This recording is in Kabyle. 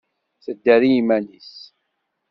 Tedder i yiman-nnes.